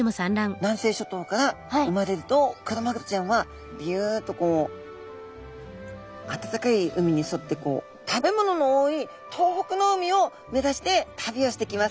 南西諸島から生まれるとクロマグロちゃんはビュっとこう暖かい海に沿ってこう食べ物の多い東北の海を目指して旅をしてきます。